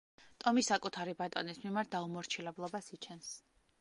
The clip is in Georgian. ტომი საკუთარი ბატონის მიმართ დაუმორჩილებლობას იჩენს.